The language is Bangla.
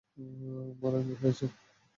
মারান, কী হয়েছে?